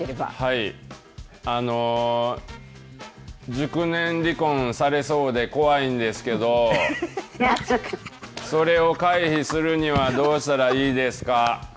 はい、あの熟年離婚されそうで怖いんですけれどそれを回避するにはどうしたらいいですか。